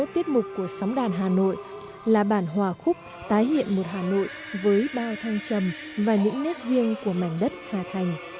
hai mươi tiết mục của sóng đàn hà nội là bản hòa khúc tái hiện một hà nội với bao thăng trầm và những nét riêng của mảnh đất hà thành